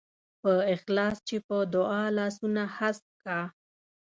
په اخلاص چې په دعا لاسونه هسک کا.